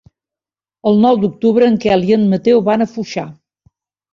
El nou d'octubre en Quel i en Mateu van a Foixà.